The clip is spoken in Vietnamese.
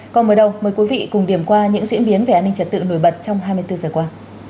còn mới đâu mời quý vị cùng điểm qua những diễn biến về an ninh trật tự nổi bật trong hai mươi bốn h qua